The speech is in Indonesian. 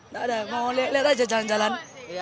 nggak ada mau lihat aja jalan jalan